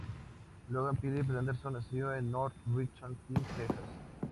Logan Phillip Henderson nació en North Richland Hills, Texas.